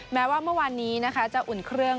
แม้ว่าเมื่อวานนี้นะคะจะอุ่นเครื่อง